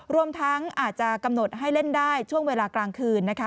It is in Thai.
รวมทั้งอาจจะกำหนดให้เล่นได้ช่วงเวลากลางคืนนะคะ